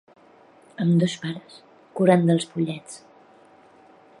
Ambdós pares curen dels pollets.